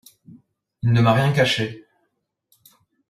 Il ne m'a rien caché.